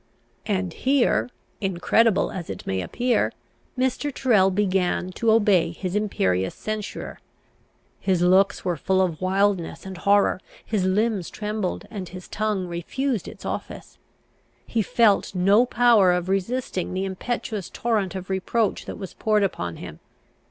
And here, incredible as it may appear, Mr. Tyrrel began to obey his imperious censurer. His looks were full of wildness and horror; his limbs trembled; and his tongue refused its office. He felt no power of resisting the impetuous torrent of reproach that was poured upon him.